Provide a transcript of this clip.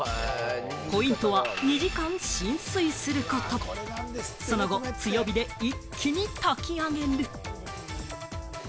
ポイントは２時間浸水すること、その後、強火で一気に炊き上げる。